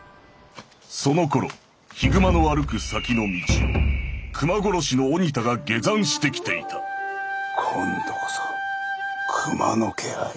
そのころ悲熊の歩く先の道を熊殺しの鬼田が下山してきていた今度こそ熊の気配？